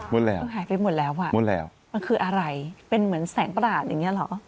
หมดแล้วมันหายไปหมดแล้วอ่ะหมดแล้วมันคืออะไรเป็นเหมือนแสงประหลาดอย่างเงี้เหรอ